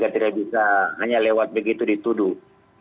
tidak bisa hanya lewat begitu dituduh